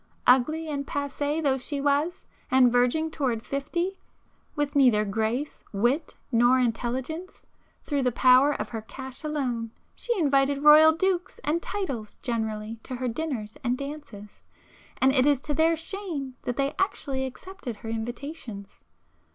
Ugly and passée though she was, and verging towards fifty, with neither grace, wit, nor intelligence, through the power of her cash alone she invited Royal dukes and 'titles' generally to her dinners and dances,—and it is to their shame that they actually accepted her invitations.